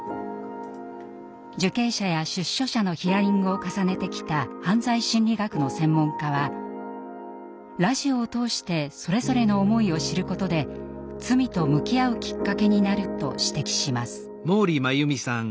受刑者や出所者のヒアリングを重ねてきた犯罪心理学の専門家はラジオを通してそれぞれの思いを知ることで罪と向き合うきっかけになると指摘します。